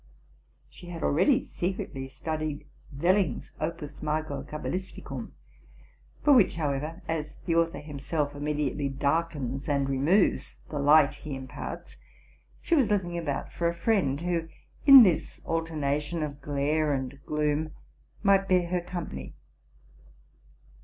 She had already secretly studied Welling's '' Opus Mago cabalisticum,'' for which, however, as the author himself immediately darkens and removes the 'light he imparts, she was looking about for a friend, who, in this alternation of glare and gloom, might bear her com pany.